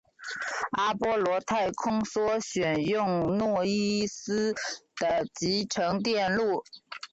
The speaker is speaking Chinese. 阿波罗太空梭选用诺伊斯的集成电路。